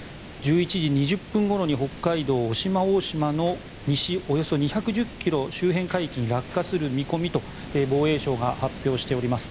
１１時２０分ごろに北海道・渡島大島の西およそ２１０ｋｍ周辺海域に落下する見込みと防衛省が発表しております。